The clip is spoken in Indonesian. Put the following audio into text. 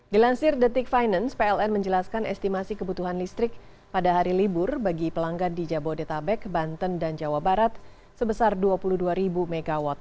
dilansir the tick finance pln menjelaskan estimasi kebutuhan listrik pada hari libur bagi pelanggan di jabodetabek banten dan jawa barat sebesar dua puluh dua mw